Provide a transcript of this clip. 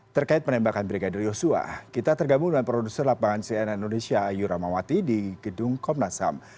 terkait penembakan brigadir yosua kita tergabung dengan produser lapangan cnn indonesia ayu ramawati di gedung komnas ham